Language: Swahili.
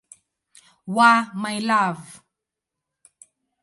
wa "My Love".